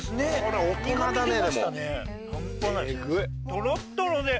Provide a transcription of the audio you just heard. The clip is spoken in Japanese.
とろっとろで。